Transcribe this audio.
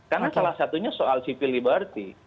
karena salah satunya soal civil liberty